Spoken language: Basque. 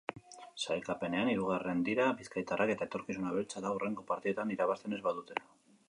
Sailkapenean hirugarren dira bizkaitarrak eta etorkizuna beltza da hurrengo partidetan irabazten ez badute.